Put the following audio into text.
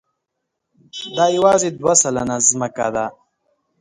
دا یواځې دوه سلنه ځمکه ده.